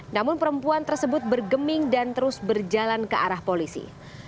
namun perempuan tersebut bergeming dan terus berjalan ke arah polisi